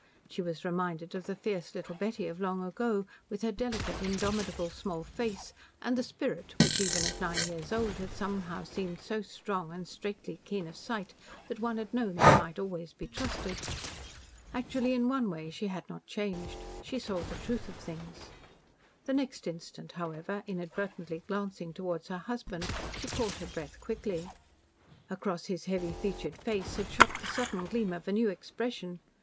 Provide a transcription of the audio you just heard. She was reminded of the fierce little Betty of long ago, with her delicate, indomitable small face and the spirit which even at nine years old had somehow seemed so strong and straitly keen of sight that one had known it might always be trusted. Actually, in one way, she had not changed. She saw the truth of things. The next instant, however, inadvertently glancing towards her husband, she caught her breath quickly. Across his heavy featured face had shot the sudden gleam of a new expression.